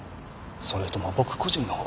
それとも僕個人のほう？